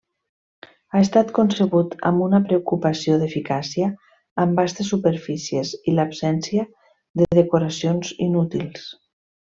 Ha estat concebut amb una preocupació d'eficàcia amb vastes superfícies i l'absència de decoracions inútils.